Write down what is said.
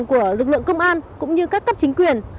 của lực lượng công an cũng như các cấp chính quyền